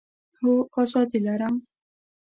هو، آزادي لرم